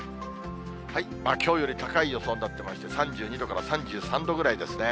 きょうより高い予想になってまして、３２度から３３度ぐらいですね。